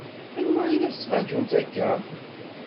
Anwa i la tettṛaǧumt akka?